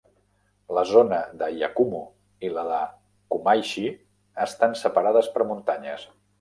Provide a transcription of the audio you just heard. La zona de Yakumo i la de Kumaishi estan separades per muntanyes.